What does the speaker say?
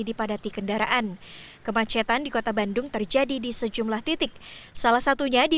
dipadati kendaraan kemacetan di kota bandung terjadi di sejumlah titik salah satunya di